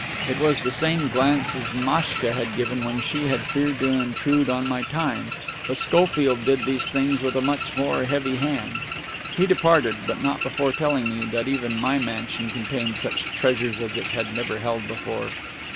It was the same glance as Maschka had given when she had feared to intrude on my time; but Schofield did these things with a much more heavy hand. He departed, but not before telling me that even my mansion contained such treasures as it had never held before.